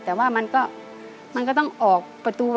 แต่ว่ามันก็ต้องออกประตู